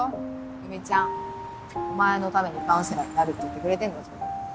久美ちゃんお前のためにカウンセラーになるって言ってくれてんだぞ。